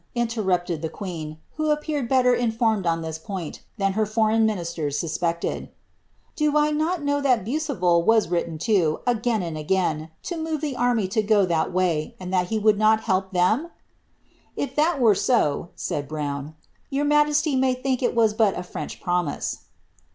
'' interrupted the queen, who appeared better informed on this point than her foreign ministers suspected, " do I not know thai Buceval was written lo, again and again, to move the army to go th»t way, and that he would not help them ;"" If that were so," s»id Brown, "your majesty may think it was but a French promise."